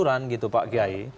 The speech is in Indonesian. tiduran gitu pak kiai